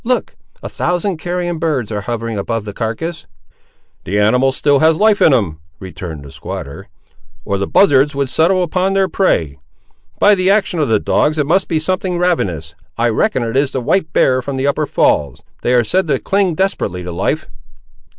Look! a thousand carrion birds, ar' hovering above the carcass." "The animal has still life in him," returned the squatter, "or the buzzards would settle upon their prey! By the action of the dogs it must be something ravenous; I reckon it is the white bear from the upper falls. They are said to cling desperately to life!"